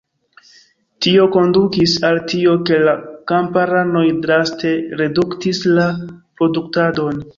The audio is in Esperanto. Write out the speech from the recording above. Tio kondukis al tio, ke la kamparanoj draste reduktis la produktadon.